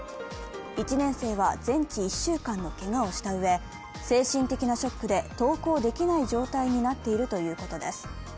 １年生は全治１週間のけがをしたうえ、精神的なショックで登校できない状態になっているということです。